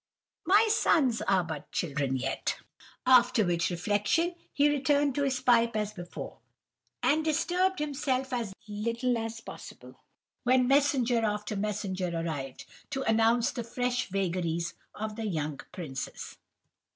My sons are but children yet.' "After which reflection he returned to his pipe as before, and disturbed himself as little as possible, when messenger after messenger arrived, to announce the fresh vagaries of the young princes.